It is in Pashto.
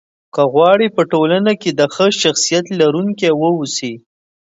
که غواړئ! په ټولنه کې د ښه شخصيت لرونکي واوسی